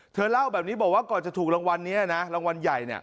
เธอเล่าแบบนี้บอกว่าก่อนจะถูกรางวัลนี้นะรางวัลใหญ่